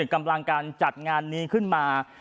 กำลังการจัดงานนี้ขึ้นมา